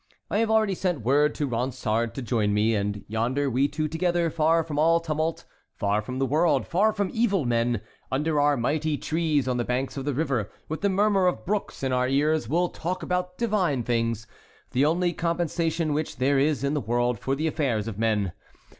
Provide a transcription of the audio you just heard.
I have already sent word to Ronsard to join me; and yonder, we two together, far from all tumult, far from the world, far from evil men, under our mighty trees on the banks of the river, with the murmur of brooks in our ears, will talk about divine things, the only compensation which there is in the world for the affairs of men.